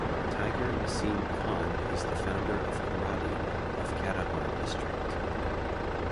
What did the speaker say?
Tiger Nasim Khan is the founder of Karate of Katihar district.